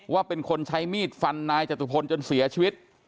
ว่าเป็นคนใช้มีดฟันนายจตุพลจนเสียชีวิต